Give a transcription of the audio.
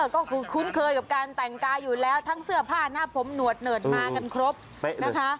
ก็คือคุ้นเคยกับการแต่งกายอยู่แล้วทั้งเสื้อผ้าหน้าผมหนวดเนิดมากันครบนะคะ